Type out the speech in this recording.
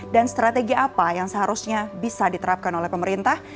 dan strategi apa yang seharusnya bisa diterapkan oleh pemerintah